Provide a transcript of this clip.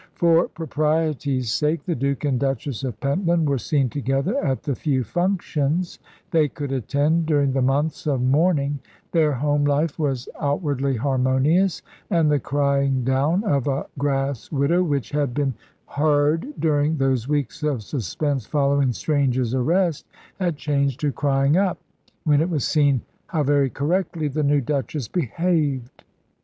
For propriety's sake the Duke and Duchess of Pentland were seen together at the few functions they could attend during the months of mourning; their home life was outwardly harmonious, and the crying down of a grass widow which had been heard during those weeks of suspense following Strange's arrest had changed to crying up, when it was seen how very correctly the new Duchess behaved.